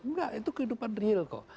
enggak itu kehidupan real kok